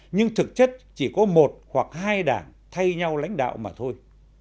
nhưng thực chất chỉ có một hoặc hai đảng thay nhau lãnh đạo mà thôi